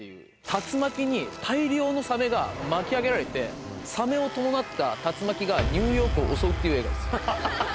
竜巻に大量のサメが巻き上げられて、サメを伴った竜巻がニューヨークを襲うっていう映画です。